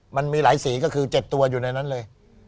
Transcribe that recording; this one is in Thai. มันมีหลายสีก็คือ๗ตัวอยู่ในนั้นเลย